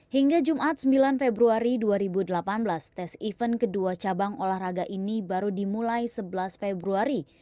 hingga jumat sembilan februari dua ribu delapan belas tes event kedua cabang olahraga ini baru dimulai sebelas februari